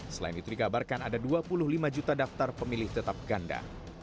selain itu dikabarkan ada dua puluh lima juta daftar pemilih tetap ganda